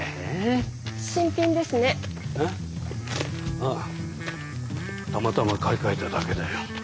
あたまたま買い替えただけだよ。